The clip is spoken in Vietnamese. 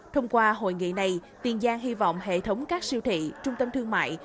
thông qua hội nghị này tiền giang hy vọng hệ thống các siêu thị trung tâm thương mại